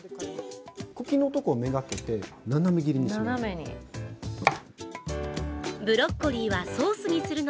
茎のところをめがけて斜め切りにします。